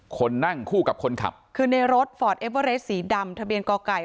คนนั่งคู่กับคนขับคือในรถฟอร์ดเอเวอเรสสีดำทะเบียนก่อไก่